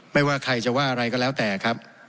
ไม่ว่าใครจะว่าอะไรก็แล้วแต่ครับ